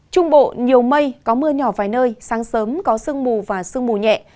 trung bộ nhiều mây có mưa nhỏ vài nơi sáng sớm có sương mù và sương mù nhẹ